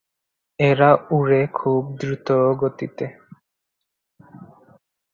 এরা ওড়ে খুব দ্রুতগতিতে।